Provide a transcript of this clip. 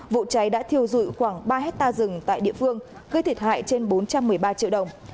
vụ cháy đã thiêu dụi khoảng ba hectare rừng tại địa phương gây thiệt hại trên bốn trăm một mươi ba triệu đồng